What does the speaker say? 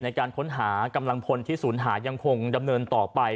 ในการค้นหากำลังพลที่ศูนย์หายังคงดำเนินต่อไป